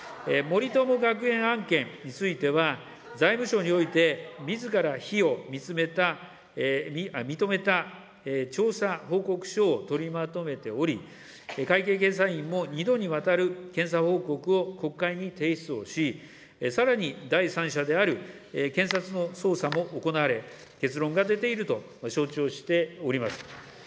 森友学園案件については、財務省においてみずから非を見つめた、認めた調査報告書を取りまとめており、会計検査院も２度にわたる検査報告を国会に提出をし、さらに第三者である検察の捜査も行われ、結論が出ていると承知をしております。